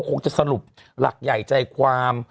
คงจะสรุปหลักใหญ่ใจความ